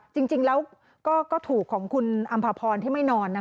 จริงแล้วก็ถูกของคุณอำภพรที่ไม่นอน